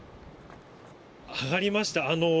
上がりました。